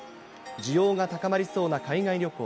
需要が高まりそうな海外旅行。